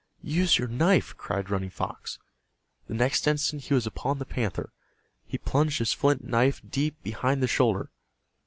"Use your knife!" cried Running Fox. The next instant he was upon the panther. He plunged his flint knife deep behind the shoulder.